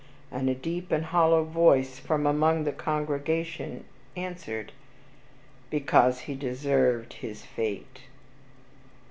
and a deep and hollow voice from among the congregation answered, "Because he deserved his fate."